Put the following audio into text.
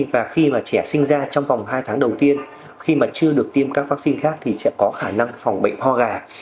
và khi trẻ sinh ra trong vòng hai tháng đầu tiên khi chưa được tiêm các vaccine khác thì sẽ có khả năng phòng bệnh hoa gà